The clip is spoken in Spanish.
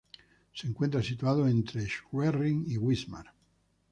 Se encuentra situado entre Schwerin y Wismar.